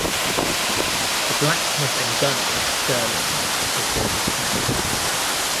The blacksmith and gunner at Stirling was David Smith.